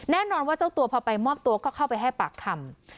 แน่นอนว่าเจ้าตัวพอไปมอบตัวก็เข้าไปให้ปากคำ